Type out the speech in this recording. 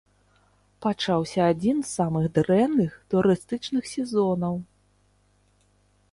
Пачаўся адзін з самых дрэнных турыстычных сезонаў.